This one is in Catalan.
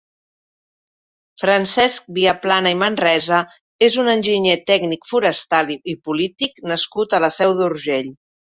Francesc Viaplana i Manresa és un enginyer tècnic forestal i polític nascut a la Seu d'Urgell.